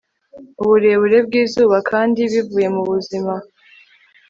uburebure bwizuba, kandi bivuye mubuzima